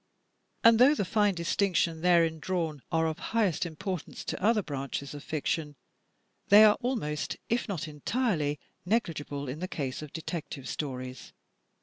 And though the fine distinctions therein drawn are of highest importance to other branches of fiction, they are almost, if not entirely, negligible in the case of Detective Stories.